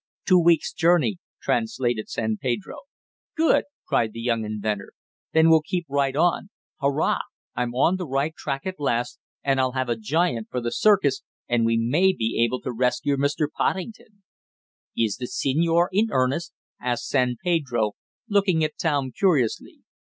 "Two weeks journey," translated San Pedro. "Good!" cried the young inventor. "Then we'll keep right on. Hurrah! I'm on the right track at last, and I'll have a giant for the circus and we may be able to rescue Mr. Poddington!" "Is the senor in earnest?" asked San Pedro, looking at Tom curiously.